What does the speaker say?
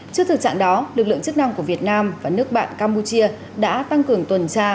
trước thực trạng đó lực lượng chức năng của việt nam và nước bạn campuchia đã tăng cường tuần tra